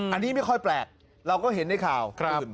อันนี้ไม่ค่อยแปลกเราก็เห็นในข่าว